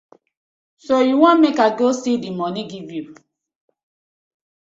So you want mek I go still di money giv you?